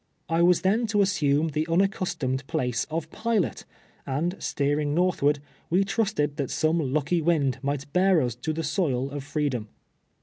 I was then to assume the unaccustomed place of pilot, and, steering northward, we trusted that some lucky wind might bear us to the soil of tr eedom.